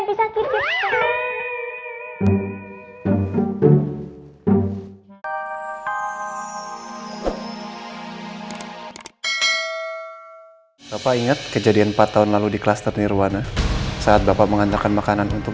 bapak ingat kejadian empat tahun lalu di kluster nirwana saat bapak mengantarkan makanan untuk